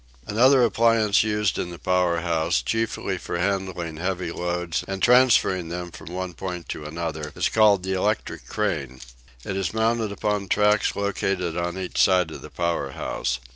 Another appliance used in the power house, chiefly for handling heavy loads and transferring them from one point to another, is called the electric crane. It is mounted upon tracks located on each side of the power house.